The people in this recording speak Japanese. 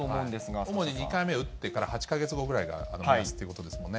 主に２回目を打ってから８か月後ぐらいが目安ということですもんね。